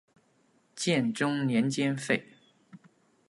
建中年间废。